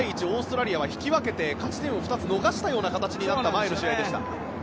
オーストラリアは引き分けて勝ち点を２つ逃したような形になった前の試合でした。